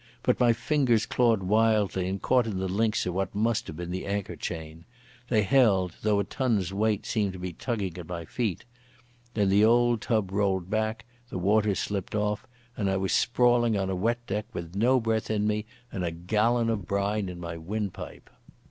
But my fingers clawed wildly and caught in the links of what must have been the anchor chain. They held, though a ton's weight seemed to be tugging at my feet.... Then the old tub rolled back, the waters slipped off, and I was sprawling on a wet deck with no breath in me and a gallon of brine in my windpipe.